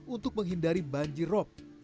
untuk menghindari banjir rob